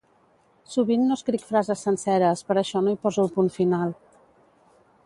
Sovint no escric frases senceres per això no hi poso el punt final.